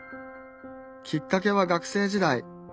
きっかけは学生時代。